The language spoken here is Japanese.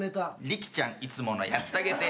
「力ちゃんいつものやったげて」